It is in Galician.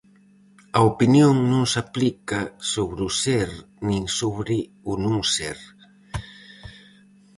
A opinión non se aplica sobre o ser nin sobre o non ser.